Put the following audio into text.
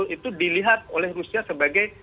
itu dilihat oleh rusia sebagai